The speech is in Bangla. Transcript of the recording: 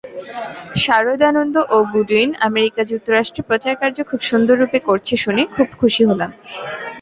সারদানন্দ ও গুডউইন আমেরিকা যুক্তরাষ্ট্রে প্রচারকার্য সুন্দররূপে করছে শুনে খুব খুশী হলাম।